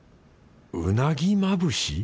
うなぎまぶし？